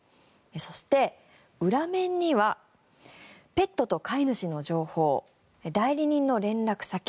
そして、裏面にはペットと飼い主の情報代理人の連絡先